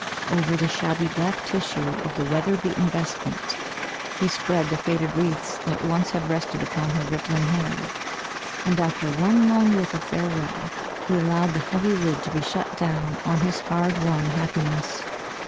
Over the shabby black tissue of the weather beaten vestment he spread the faded wreaths that once had rested upon her rippling hair. And after one long look of farewell he allowed the heavy lid to be shut down on his hard won happiness.